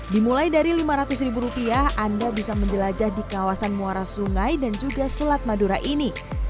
dimulai dari lima ratus ribu rupiah anda bisa menjelajah di kawasan muara sungai dan juga selat madura ini